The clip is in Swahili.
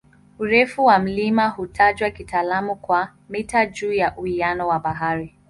Urefu wa mlima hutajwa kitaalamu kwa "mita juu ya uwiano wa bahari".